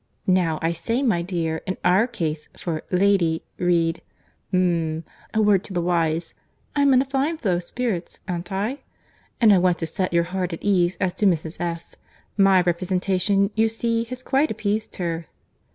Now I say, my dear, in our case, for lady, read——mum! a word to the wise.—I am in a fine flow of spirits, an't I? But I want to set your heart at ease as to Mrs. S.—My representation, you see, has quite appeased her."